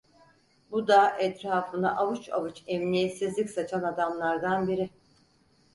Bu da etrafına avuç avuç emniyetsizlik saçan adamlardan biri…